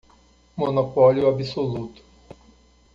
Monopólio absoluto